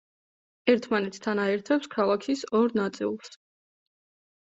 ერთმანეთთან აერთებს ქალაქის ორ ნაწილს.